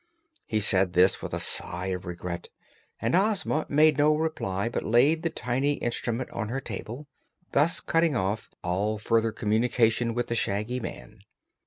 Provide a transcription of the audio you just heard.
He said this with a sigh of regret, and Ozma made no reply but laid the tiny instrument on her table, thus cutting off all further communication with the Shaggy Man.